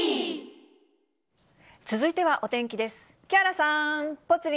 続いてはお天気です。